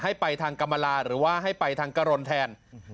ให้ไปทางกรรมลาหรือว่าให้ไปทางกรนแทน